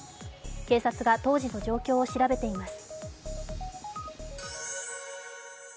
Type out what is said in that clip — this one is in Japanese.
警察が当時の状況を調べています。